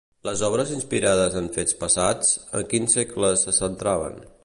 Les obres inspirades en fets passats, en quins segles se centraven?